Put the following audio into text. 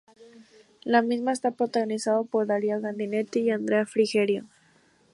La misma está protagonizada por Darío Grandinetti y Andrea Frigerio.